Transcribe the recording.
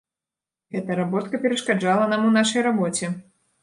Гэта работка перашкаджала нам у нашай рабоце.